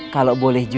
kalau boleh fatiha